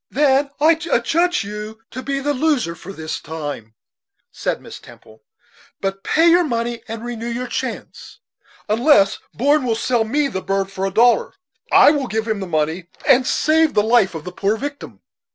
"Then I adjudge you to be a loser for this time," said Miss Temple; "but pay your money and renew your chance; unless Brom will sell me the bird for a dollar. I will give him the money, and save the life of the poor victim."